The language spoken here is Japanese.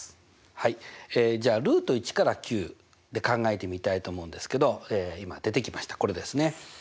はいじゃあルート１から９で考えてみたいと思うんですけど今出てきましたこれですね。